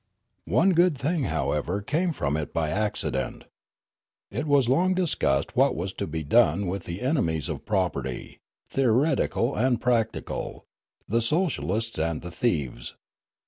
" One good thing, however, came from it by accident. It was long discussed what was to be done with the ene mies of property, theoretical and practical, the socialists and the thieves.